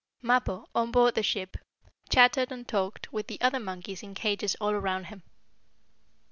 Mappo, on board the ship, chattered and talked with the other monkeys in cages all around him.